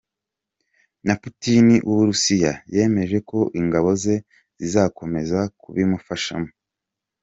Na Putin w’u Burusiya yemeje ko ingabo ze zizakomeza kubimufashamo.